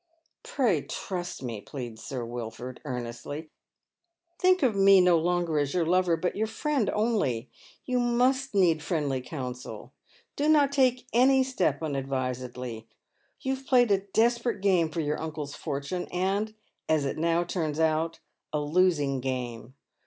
" Pray trust me," pleads Sir Wilford, earnestly. *' Think of me no longer as your lo'* or, but your friend only. You must need friendly counsel. Do not take any step unadvisedly. You have played a desperate game for your uncle's fortune, and, as it now turns out, a losing game.